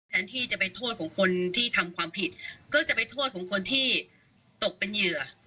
แทนที่จะไปโทษของคนที่ทำความผิดก็จะไปโทษของคนที่ตกเป็นเหยื่อ